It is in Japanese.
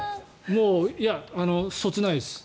いや、そつないです。